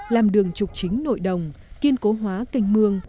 làm đường trục chính nội đồng kiên cố hóa kênh mương